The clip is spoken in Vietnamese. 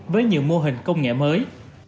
với nhiều mô hình công nghệ mới